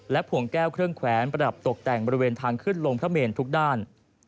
ผ่วงแก้วเครื่องแขวนประดับตกแต่งบริเวณทางขึ้นลงพระเมนทุกด้าน